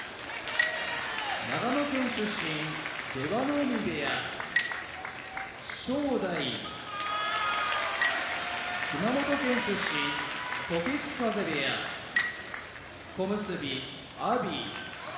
長野県出身出羽海部屋正代熊本県出身時津風部屋小結・阿炎